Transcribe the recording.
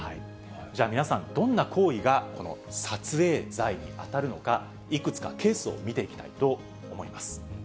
じゃあ皆さん、どんな行為がこの撮影罪に当たるのか、いくつかケースを見ていきたいと思います。